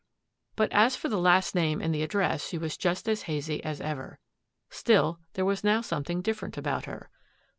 But as for the last name and the address she was just as hazy as ever. Still, there was now something different about her.